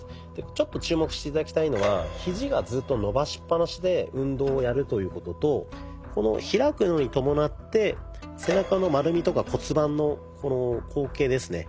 ちょっと注目して頂きたいのはひじがずっと伸ばしっぱなしで運動をやるということとこの開くのにともなって背中の丸みとか骨盤の後傾ですね